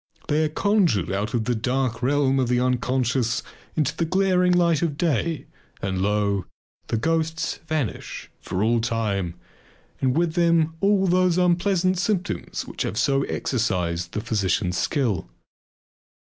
They are conjured out of the dark realm of the unconscious into the glaring light of day and, lo! the ghosts vanish for all time and with them all those unpleasant symptoms which have so exercised the physician's skill.